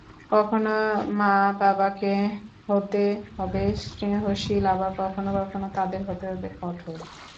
কখনো মা-বাবাকে হতে হবে স্নেহশীল আবার কখনো তাঁদের হতে হবে কঠোর।